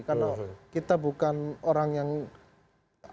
karena kita bukan orang yang jauh dari kesehatan